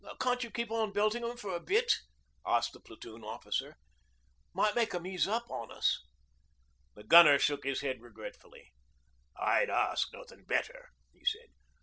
'Can't you keep on belting 'em for a bit?' asked the Platoon officer. 'Might make 'em ease up on us.' The gunner shook his head regretfully. 'I'd ask nothing better,' he said.